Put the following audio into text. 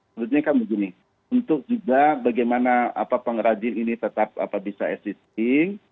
sebetulnya kan begini untuk juga bagaimana pengrajin ini tetap bisa existing